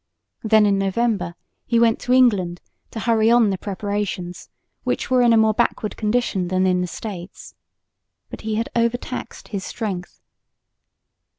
Then in November he went to England to hurry on the preparations, which were in a more backward condition than in the States. But he had overtaxed his strength.